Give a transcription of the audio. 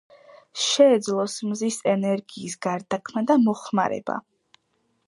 შეეძლოს მზის ენერგიის გარდაქმნა და მოხმარება.